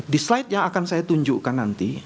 di slide yang akan saya tunjukkan nanti